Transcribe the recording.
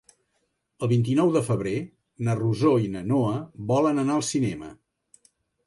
El vint-i-nou de febrer na Rosó i na Noa volen anar al cinema.